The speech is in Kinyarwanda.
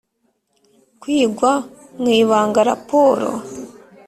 Kwigwa mu ibanga raporo